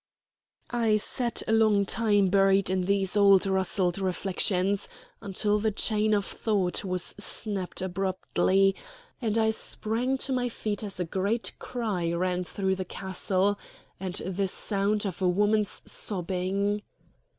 I sat a long time buried in these old rustled reflections, until the chain of thought was snapped abruptly, and I sprang to my feet as a great cry ran through the castle, and the sound of a woman's sobbing.